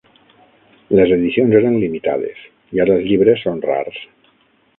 Les edicions eren limitades, i ara els llibres són rars.